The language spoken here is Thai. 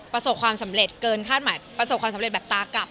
ประสบความสำเร็จเกินคาดหมายประสบความสำเร็จแบบตากลับ